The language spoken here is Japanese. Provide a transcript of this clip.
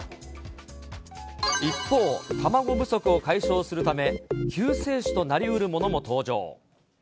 一方、卵不足を解消するため、救世主となりうるものも登場。